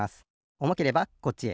おもければこっちへ。